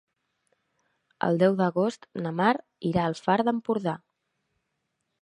El deu d'agost na Mar irà al Far d'Empordà.